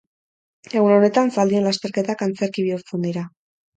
Egun honetan, zaldien lasterketak antzerki bihurtzen dira.